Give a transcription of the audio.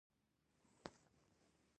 پر لاره د پاکستاني فوجيانو تلاشي وه.